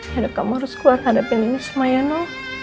ya kamu harus keluar hadapi ini semua ya noh